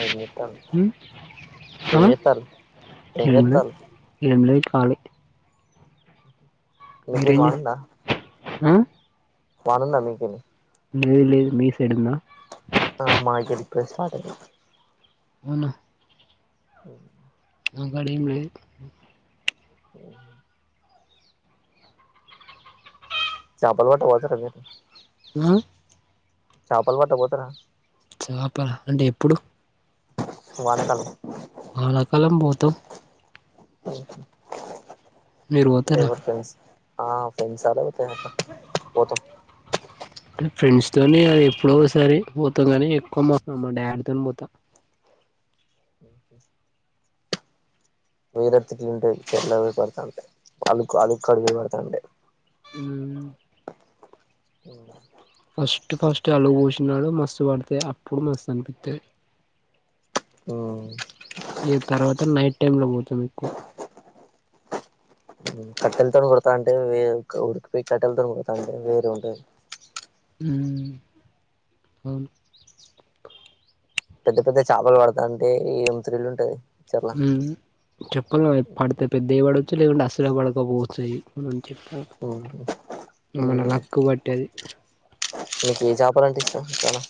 అ ఏం చెత్తలు అ ఎంలే ఎంలే కాలీ మీకెల్ వనుందా మ్ వనుందా మీకేలీ లేదు లేదు మీ సైడుందా ఆ మా దగ్గర ఇప్పుడే స్టార్ట్ ఆఇంది అవునా అఓ ఆ కడ ఎం లేదు ఆ చాపల్ పట్ట పోతార మీరు ఆ చేపలు పట్ట పోతరా చపల అంటే ఎప్పుడు వానకాలం వానకాలం పోతాం టే మీరు పోతారా ఎవరు ఫ్రెండ్స్ ఆ ఫ్రెండ్స్ అ లేకపోతే పోతం కని ఫ్రెండ్స్ తోని అది ఎప్పుడోసారి పోతాం కానీ ఎక్కువ మ మా డాడీతోని పోతా వేరోతిట్లుతాయి చెర్ల పోయి పడుతాంటే అలు అలుక్కడికి పోయ పడుతాంటే అ అ ఫస్ట్ ఫస్ట్ అలుగు పోసిన్నడు మస్తు పడుతాయి అప్పుడు మస్తు అనిపిత్తది అ ఇగ తర్వాత నైట్ టైమ్ లో పోతాం ఎక్కువ కట్టెల్తో కొడుతంటే వేర్ ఉరికిపోయి కట్టెల్తోన్ కొడుతాంటే వేరే ఉంటది మ్ అవును పెద్ద పెద్ద చేపలు పడుతంటే ఎం త్రిల్ ఉంటది చర్ల మ్ చెప్పాలేం పడితే పెద్దయి పడొచ్చు లేకుంటే అసలే పడకపోచ్చాయ్యి చెప్పా ఉమ్ మన ఉమ్ లక్ బట్టది నీకు ఏ చెప్పాలంటే అంటే ఇష్టం చానా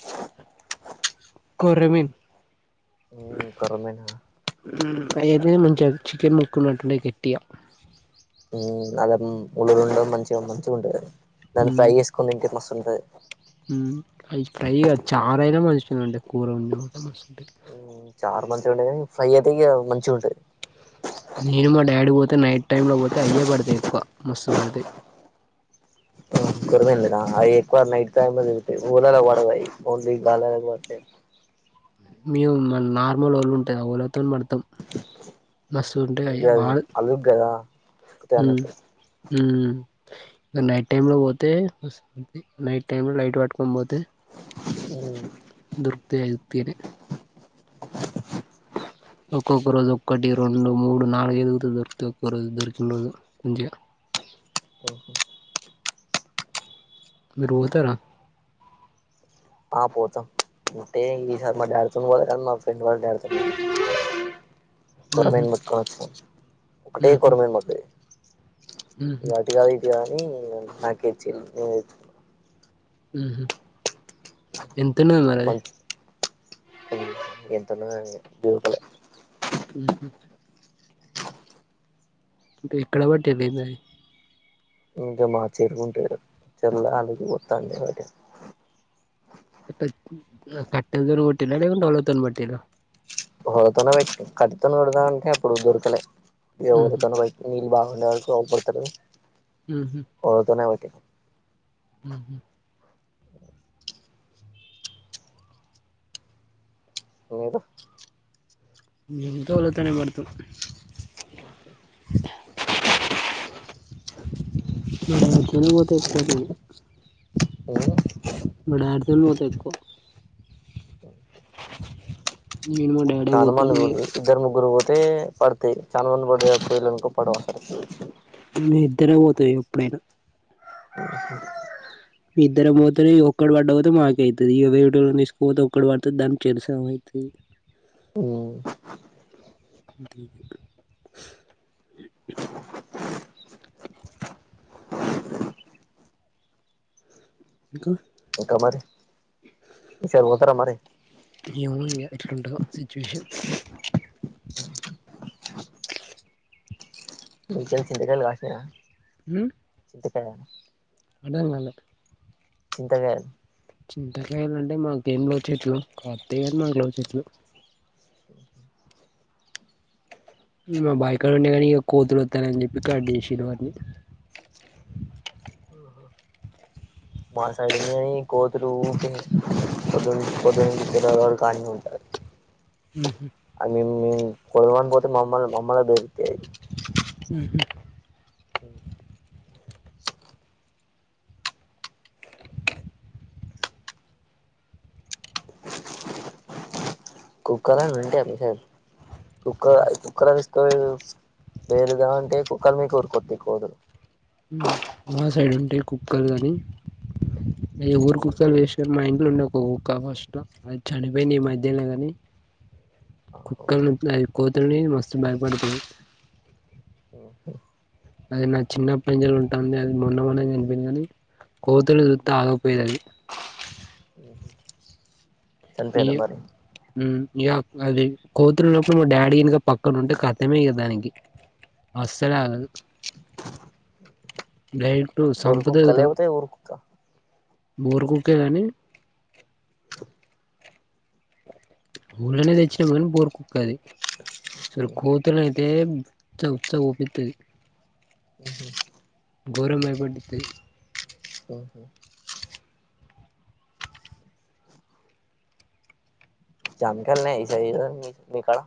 కొర్రమిన్ ఓ కొర్మమీనా మ్ అయ్యాయితేనే మంచిగా చికెన్ ముక్కున్నట్టు ఉంటాయి మంచిగా మ్ అద్ ముల్లులుండవ్ మంచిగ మంచిగుంటదది దాన్ని ఉమ్ ఫ్రై చేసుకోని తింటే మస్తు ఉంటది ఉమ్ అవి ఫ్రై కాదు చారైనా మంచిగనే ఉంటది కూర వండిన కుడా మస్ మ్ చార్ మంచిగానే ఉంటది కానీ ఫ్రై అయితే ఇగ మంచిగుంటది నేను మా డాడీ పోతే నైట్ టైం ల పోతే అయ్యే పడుతయ్ ఎక్కువ మస్తు పడుతై కొర్రమీన అయ్యి ఎక్కువ నైట్ టైమ్ ల తిరుగుతాయి వలకు పడవయ్యి ఓన్లీ గళలకు పడుతాయి మేము మ నార్మల్ వళ ఉంటది ఆ వలతోని పడుతాం మసుంటయి ఇగ అవి అది వాల్ అలుగు కదా చిక్కుతాయి మ్ అన్నట్టు మ్ ఇక నైట్ టైమ్ లో పోతే నైట్ టై లో లైట్ పట్టుకొని పోతే అ దొరుకుతాయి ఐదు పీరే ఒక్కొక్క రోజు ఒక్కటి రెండు మూడు నాలుగు ఎదుగుత దొరిత ఒక్క రోజు దొరికిన రోజు మంచిగా ఓహో మీరు ఓతరా ఆ పోతాం అయితే ఈసారి మా డాడ్ తో పోలె కాన్ వాళ కొరమ ఊహు [unintelligible] ఒకటే ఊహు కొరమీన్లు మత్ర ఊహు ఇ అటు కాదు ఇది కాని నాకి తెచ్చింది నే ఉహు ఎంతన్నది మరి మంచి ఎంతన్నగాని దీవుకుల ఆ ఇంక ఎక్కడ బట్టింది నాయి ఇంకా మాచెరువు ఉంటది చెరువులో ఆళగు పొతాన్నే వ కట్ట కట్టిళ్లతోని కొట్టిరా లేకుంటే పట్టీర్రా తోనే బట్టి కట్టుతో కట్టీలు పెడదాం అంటే అప్పుడు దొరకలే ఊహు వరతో బట్టి నీళ్ళు బాగా డుతారుతోనేటి రోజు ఒకటి ఉహు మీరు మీ అలతనే పడుతం ఇడ అట్లనే పోతాయ్ కోతులు ఉ డాడ్ తోనే పోతాయ్ ఎక్కువ నేను మా డాడే తాన్ మన్ పోతాం ఇగ పోంది ఇద్దరు ముగ్గురు పో పడతాయి చాలా మంది పడతయి పోయిలు అనుకో పడవు అసలు మీ ఇద్దరే పోతాయి ఎప్పుడైనా ఆ ఇద్దరం పోతే ఒక్కడు పడ్డపోతే మాక అయితది వేరేటోళ్లను తీసుకపోతే ఒక్కడు పడుతది దాని తెలుస ఏమయితది ఉమ్ ఇంకా ఇంకా మరి ఈసారి పోతారా మరి ఏమో ఈ ఇయర్ ఎట్లుంటదో సిచువేషన్ మీసైడ్ సింతకాయలు కాసినయ హు ఎక్కడ అర్ధం కాలే చింత కాదు చింతకాయలంటే మాకేంలో చెట్లు కాత్తే మాకు లో చెట్లు మా బాయ్ కాడ ఉండే కాని ఇగ కోతులు వత్తన్నాయని చెప్పి కడ్ చేసిన్రు వాటిని ఆహా మా సైడ్ ఉంది అని కోతులు కోతురు కాని ఉంటారు మ్ హు మ్ కొడుదాం అని పోతే మమ్మల్ నే మమ్మల్ నే బె మ్ హు అ కుక్కలన్న ఉంటాయా మీ సైడ్ కుక్క కుక్కల చుస్ స్తె పేలుద్దామంటే కుక్కల మీదికే కూరుకొత్తయి కోతులు మా సైడ్ ఉంటై కుక్క ల్ కాని ఈ ఊరు కుక్కలు వేస్టే మా ఇంట్ల ఉండే ఒక కుక్క ఫస్ట్ల అది చనిపోయింది ఈ మధ్యల్నే కాని ఆహో కుక్కల్ని అది కోతుల్ని మస్తు భయపడుతది అదే నా చిన్నట్టి నుంచేలీ ఉంటాంది అది మొన్నమొన్ననే చనిపోయింది కానీ కోతుల్ని సుతే ఆగకపోయేదది చనిపోయిందా మీయ్యో మరి మ్ ఇగ అది కోతులున్నప్పుడు మా డాడీ గినుక పక్కన ఉంటే కతమే ఇగ దానికి అస్సలే ఆగదు గైడ్ టు గొర్రె సంపూతది కుక్క గుతాం లేకపోతే ఊరు కుక్క బుర్ కుక్కే కాని ఊల్లనే తెచిన్నం గానీ బోరు కుక్క అది అసలు కోతుల అయితే ఉత్స ఉత్స పోపిత్తది గోరంగా బయపట్టితది జామకాయలు ఉన్నాయ ఈసారి ఈ సైడ్ మీ కాడ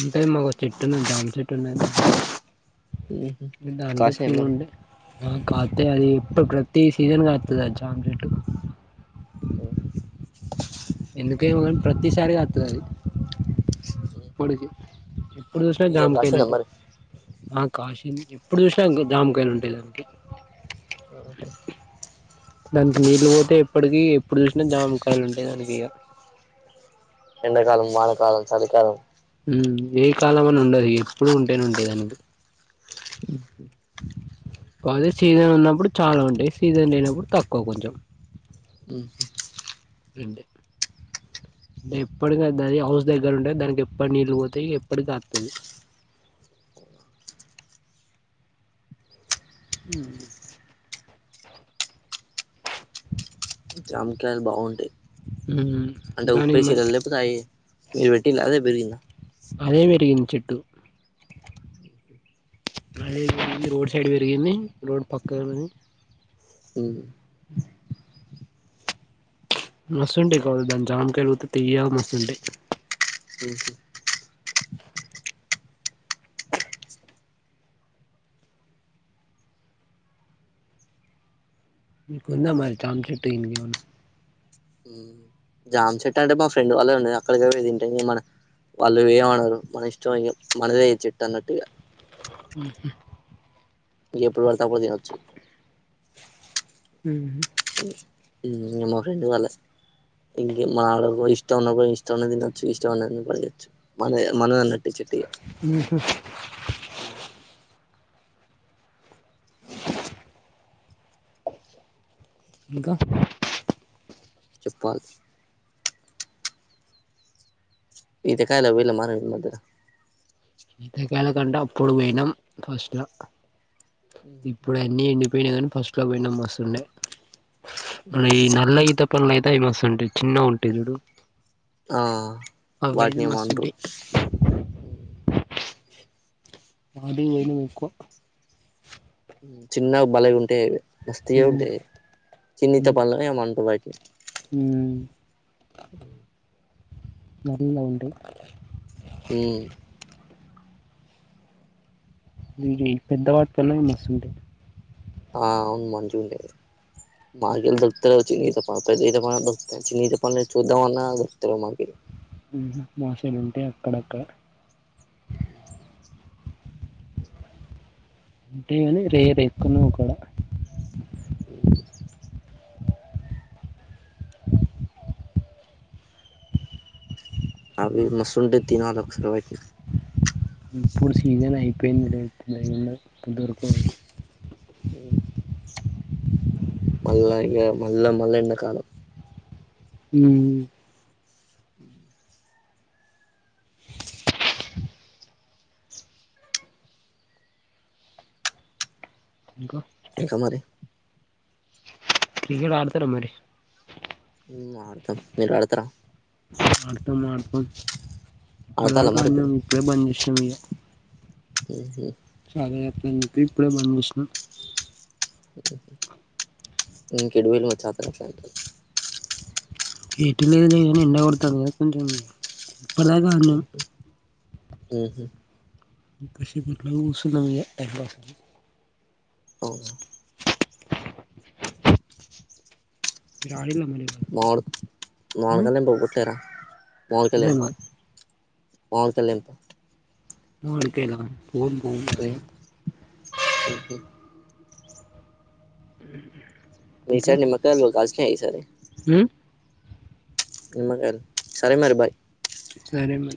ఉంటాయి మాకో చెట్టు ఉన్నది జామ చెట్టు ఉన్నాది మా కాడా ఇగ దానికే కాసినాయా ఫుల్ మరి ఉంటాయి కాతే అది ఏప్పుడు ప్రతిీ సీజన్ కాత్తది ఆ జమ చెట్టు ఓ ఎందుకో ఏమో గానీ ప్రతి సారి కాస్తాది ఆది ఎప్పడికి ఇప్పుడు చూసిన ఇగ కాసిందా జామకాయలుంటయి మరి ఆ కాష్ ఎప్పుడు చూసినా జమకాయలు ఉంటాయి దానికి దానికి నీళ్ళు పోతే ఎప్పటికి ఎప్పుడు చూసినా జామకాయలు ఉంటాయి దానికి ఇగ ఎండకాలం వానకాలం చలిికాలం మ్ ఏ కాలం అని ఉండదు ఎప్పుడు ఉంటేనే ఉంటయి దానికి మ్ హు కాపోతే సీజన్ ఉన్నప్పుడు చాలా ఉంటాయి సీజన్ లేయినప్పుడు తక్కువ కొంచెం మ్ అంతే ంటే ఎప్పటికి అది హౌస్ దగ్గర ఉంటది దానికి ఎప్పుడికి నీళ్ళు పోతాయి ఎప్పటికి కత్తది మ్ జామకాయలు బాగుంటాయి ఉమ్, అంటే దాని మన్- ఉప్పేసిల్ల లేపోతే అయి మీరు పెట్టిల్ల అదే పెరిగిందా అదే పెరిగింది చెట్టు అది రోడ్ సైడ్ పెరిగింది రోడ్ పక్కనున్నది మస్తు ఉంటే కాయలు దాని జామ్కాయలుతే తీయ్యగా మస్తుతుంటాయి. ముకుందా మరి జామచెట్టు ఇంగ ఏమన్నా జామ్ చెట్ట అంటే మా ఫ్రెండ్ వాళ్ళే ఉండ అక్కడిక తింటే మ వాళ్ళు ఏమనరు మన ఇష్టం ఇగ చ్ మనదే చెట్టు అన్నట్టు గా ఉహ్హ ఎప్పుడు పడితే అపుడు తినోచ్చు. మ్హ ఉ ఇది మా ఫ్రెండ్ వాలే ఇంగే మాడ బోయ్ ఇష్ట ఉన్న బోయ్ ఇష్ట తినచ్చు ఇష్టంన్న పడిచ్చు మన మనధి అన్నట్టు ఈ చెట్టు ఇగ హ్మ్మ్ ఇంకా చెప్పల్స్ ఇతే కాయలా వీళ మారన్ మధ్యనా ఈతకాల కంటే అప్పుడు పోయినాం ఫస్ట్ ల ఇప్పుడు అన్నీ ఏండి పినాయి గానీ ఫస్ట్ లో పోయినామ్ మస్తు ఉండే ఈ నల్ల ఈత పళ్ళు అయితే అవి మస్తు ఉంటాయి చిన్నవీ ఉంటాయి చూడు ఆ అవి అయితే వాటిని ఏమో అంటరు మాస్తుంటాయి. వాడి నేను ఎక్కువ చిన్నగా బలగా ఉంటే మస్తగే ఉంటాయి చిన్న ఈత పన్లు అని ఏమో అంటారు వాటినీ హ్మ్మ్ మరీలా ఉంటాయి ఉ ఇ ఈ పెద్దవాటితోనే మస్తుంటే ఆ అవును మంజుడేరు మాగిన్ దొరుకుతాయ్ చిన్న ఈత పళ్ళు, పెద్ద ఈత పళ్ళు దొరుకుతాయి. చిన్న ఈత పళ్ళు చూద్దామన్న దొరుకతలేదు మాకి మాసలు ఉంటే అక్కడక్క అ అంటే గాని రేదు ఎక్కువన్నావ్ కూడా ఉంట అభ మసరండి తినాలసరవాయి ఇప్పుడు సీజన్ అయిపోయింది తెలితుందికుండా ఇప్పటిరకు అ మళ్ళ ఇగ మళ్ళ మళ్ళ ఎండ కాలం ఉమ్ ఉ ఇంకా ఇంకా మరి ఇక్కడ ఆడుతార మరి ఆడతాం మీరు ఆడతార? వచ్ ఇప్పుడదాక ఆడినం ఇప్పుడే బంద్ చేసినం ఇగ ఆహ చాలా ఎత్రన్ ఇప్పుడే ఇప్పుడే మనం చూసిన ఇంకెడు వేలు మ చతలక్ష ఏటి లేదుని ఎండ కొడతాను గద కొంచం ఇప్పుద కారణం ఆహు [unintelligible] ఒ మీరు ఆడిల్లా మరి ఇవాళ ఉం? [unintelligible] లేదు మరి [unintelligible] [unintelligible] [inaudible] ఇంకా ఉం? [unintelligible] [unintelligible] సరే మరి బాయ్ చ్చరే మ